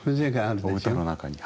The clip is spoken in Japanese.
お歌の中に。